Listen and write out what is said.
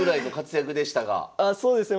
あそうですね